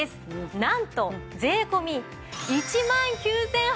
なんと税込１万９８００円です。